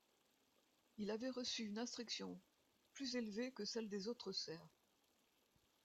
Il avait reçu une instruction plus élevée que celle des autres serfs.